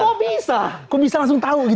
kok bisa kok bisa langsung tahu gitu ya